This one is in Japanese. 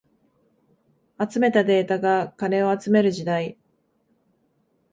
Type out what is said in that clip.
集めたデータが金を集める時代